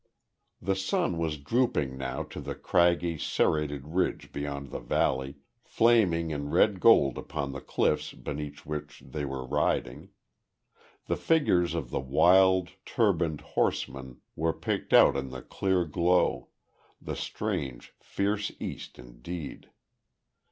The sun was drooping now to the craggy, serrated ridge beyond the valley, flaming in red gold upon the cliffs beneath which they were riding. The figures of the wild, turbaned horsemen were picked out in the clear glow the strange, fierce East indeed.